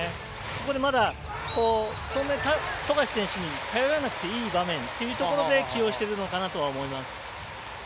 ここでまだ、富樫選手に頼らなくてもいい場面ということで起用してるのかなと思います。